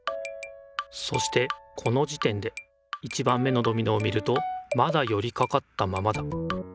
そしてこの時点で１番目のドミノを見るとまだよりかかったままだ。